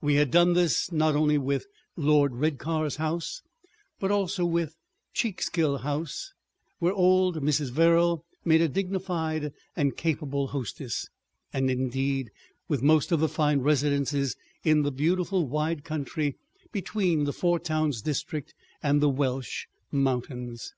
We had done this not only with Lord Redcar's house, but also with Checkshill House—where old Mrs. Verrall made a dignified and capable hostess,—and indeed with most of the fine residences in the beautiful wide country between the Four Towns district and the Welsh mountains.